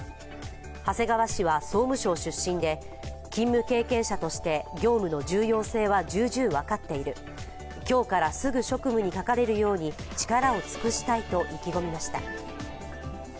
長谷川氏は総務省出身で勤務経験者として業務の重要性は重々分かっている、今日からすぐ職務にかかれるように力を尽くしたいと意気込みました。